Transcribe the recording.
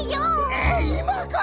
えっいまから！？